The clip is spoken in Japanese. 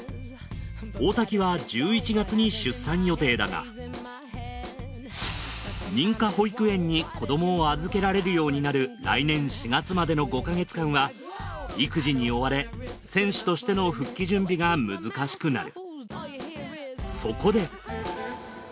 大滝は１１月に出産予定だが認可保育園に子どもを預けられるようになる来年４月までの５か月間は育児に追われ選手としての復帰準備が難しくなる。